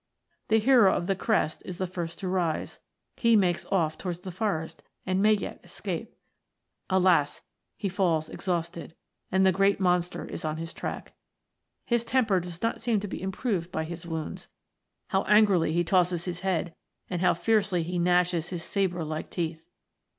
The hero of the crest is the first to rise he makes off towards the forest, and may yet escape. Alas ! he falls ex hausted, and the great monster is on his track. His temper does not seem to be improved by his wounds how angrily he tosses his head, and how fiercely he gnashes his sabre like teeth.